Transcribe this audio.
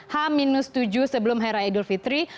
h tujuh sebelum hari raya idul fitri